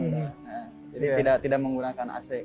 jadi tidak menggunakan ac